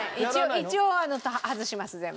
一応外します全部。